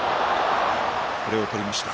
これをとりました。